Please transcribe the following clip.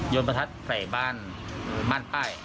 ยนต์ประทัดไข่บ้านบ้านป้าย